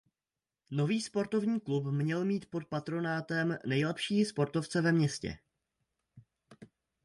Nový sportovní klub měl mít pod patronátem nejlepší sportovce ve městě.